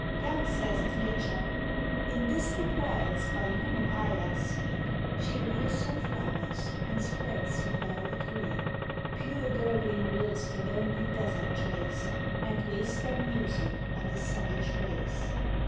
_ Young says of nature: In distant wilds by human eye unseen She rears her flowers and spreads her velvet green; Pure gurgling rills the lonely desert trace, And waste their music on the savage race.